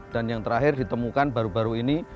yang terakhir ditemukan baru baru ini